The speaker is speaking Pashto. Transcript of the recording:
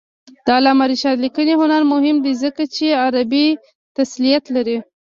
د علامه رشاد لیکنی هنر مهم دی ځکه چې عربي تسلط لري.